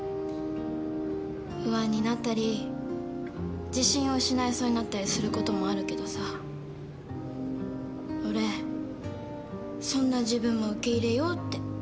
不安になったり自信を失いそうになったりすることもあるけどさ俺そんな自分も受け入れようって。